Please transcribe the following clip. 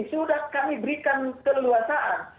sudah kami berikan keleluasaan